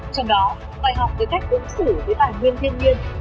trong đó bài học về cách ứng xử với tài nguyên thiên nhiên